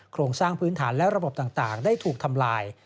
โครงสร้างพื้นฐานและระบบต่างได้ถูกทำลาย